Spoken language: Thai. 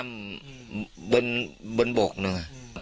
พยายามไหว้น้ำบนบกนึงอ่ะ